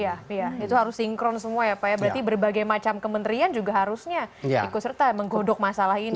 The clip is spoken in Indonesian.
iya itu harus sinkron semua ya pak ya berarti berbagai macam kementerian juga harusnya ikut serta menggodok masalah ini